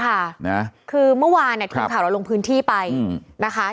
ค่ะนะคือเมื่อวานเนี่ยทีมข่าวเราลงพื้นที่ไปนะคะ